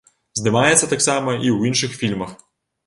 Здымаецца таксама і ў іншых фільмах.